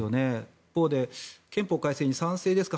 一方で憲法改正に賛成ですか？